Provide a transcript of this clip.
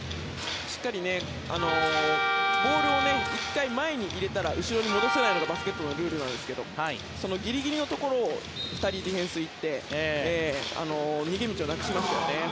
ボールを１回、前に入れたら後ろに戻せないのがバスケットのルールなんですがそのギリギリのところを２人ディフェンス行って逃げ道をなくしましたね。